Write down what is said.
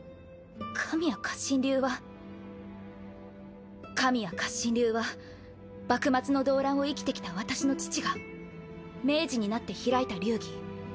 神谷活心流は神谷活心流は幕末の動乱を生きてきた私の父が明治になって開いた流儀。